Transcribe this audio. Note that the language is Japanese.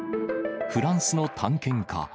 フランスの探検家。